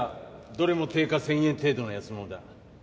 どれも定価１，０００円程度の安物だ。